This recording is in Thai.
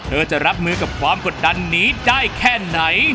จะรับมือกับความกดดันนี้ได้แค่ไหน